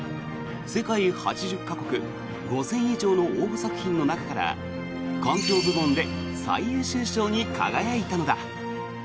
世界８０か国、５０００以上の応募作品の中から環境部門で最優秀賞に輝いたのだ。